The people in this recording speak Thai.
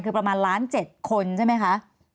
คือประมาณล้าน๗คนใช่ไหมคะ